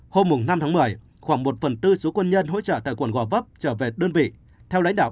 hôm năm tháng một mươi khoảng một phần tư số quân nhân hỗ trợ tại quận gò vấp trở về đơn vị theo lãnh đạo